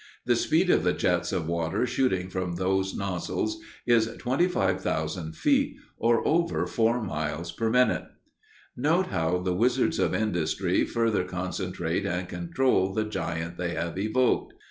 The speed of the jets of water shooting from those nozzles is 25,000 feet, or over four miles per minute. Note how the wizards of industry further concentrate and control the giant they have evoked.